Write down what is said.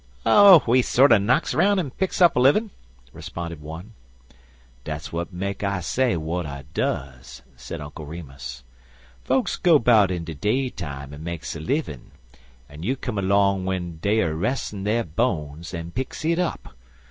"Oh, we sorter knocks 'roun' an' picks up a livin'," responded one. "Dat's w'at make I say w'at I duz," said Uncle Remus. "Fokes go 'bout in de day time an' makes a livin', an' you come 'long w'en dey er res'in' der bones an' picks it up.